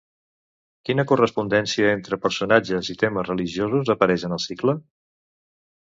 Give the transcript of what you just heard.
Quina correspondència entre personatges i temes religiosos apareix en el cicle?